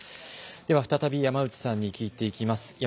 では再び山内さんに聞いていきます。